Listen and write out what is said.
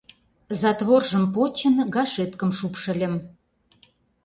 Затворжым почын, гашеткым шупшыльым.